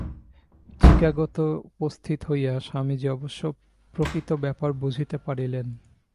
চিকাগোতে উপস্থিত হইয়া স্বামীজী অবশ্য প্রকৃত ব্যাপার বুঝিতে পারিলেন।